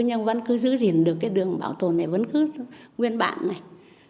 nhưng vẫn cứ giữ gìn được cái đường bảo tồn này vẫn cứ nguyên bản này